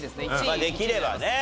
まあできればね。